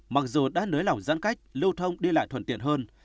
mặc dù đã nới lỏng giãn cách lưu thông đi lại thuận tiện hơn